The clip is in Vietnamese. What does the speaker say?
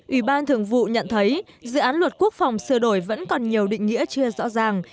ủy ban thường vụ nhận thấy dự án luật quốc phòng sửa đổi vẫn còn nhiều định nghĩa chưa rõ ràng